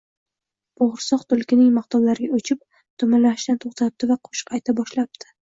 Bo’g’irsoq tulkining maqtovlariga uchib, dumalashdan to’xtabdi va qo’shiq ayta boshlabdi: